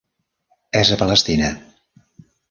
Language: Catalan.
És a Palestina.